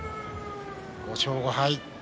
５勝５敗。